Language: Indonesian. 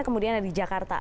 kemudian di jakarta